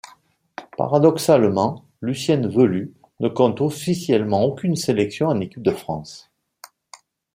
Paradoxalement, Lucienne Velu ne compte officiellement aucune sélection en Équipe de France.